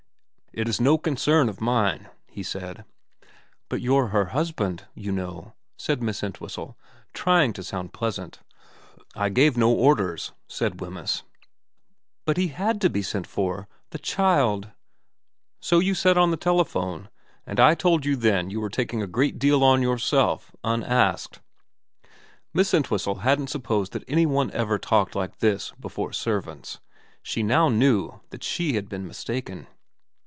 * It is no concern of mine,' he said. VERA 343 ' But you're her husband, you know,' said Miss Entwhistle, trying to sound pleasant. ' I gave no orders,' said Wemyss. * But he had to be sent for. The child '' So you say. So you said on the telephone. And I told you then you were taking a great deal on yourself, unasked.' Miss Entwhistle hadn't supposed that any one ever talked like this before servants. She now knew that she had been mistaken.